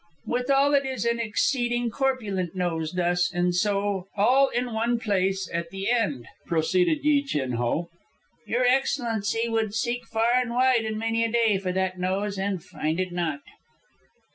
"Withal it is an exceeding corpulent nose, thus, and so, all in one place, at the end," proceeded Yi Chin Ho. "Your Excellency would seek far and wide and many a day for that nose and find it not!"